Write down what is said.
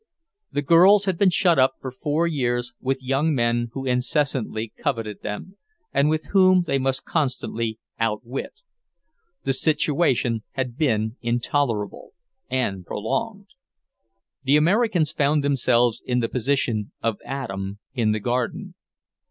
The girls had been shut up for four years with young men who incessantly coveted them, and whom they must constantly outwit. The situation had been intolerable and prolonged. The Americans found themselves in the position of Adam in the garden.